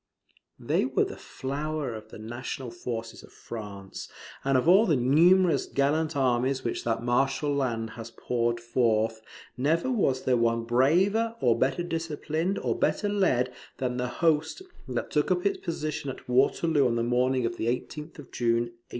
] They were the flower of the national forces of France; and of all the numerous gallant armies which that martial land has poured forth, never was there one braver, or better disciplined, or better led, than the host that took up its position at Waterloo on the morning of the 18th of June, 1815.